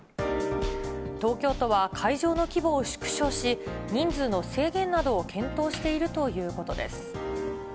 東京都は会場の規模を縮小し、人数の制限などを検討しているということです。